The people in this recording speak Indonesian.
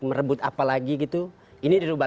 merebut apa lagi gitu ini dirubah